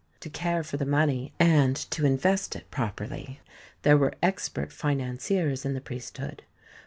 To care for the money and to invest it properly, there were expert financiers in the priesthood.